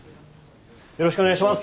よろしくお願いします。